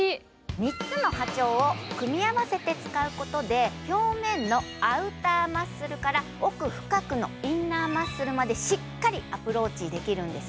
３つの波長を組み合わせて使うことで表面のアウターマッスルから奥深くのインナーマッスルまでしっかりアプローチできるんです。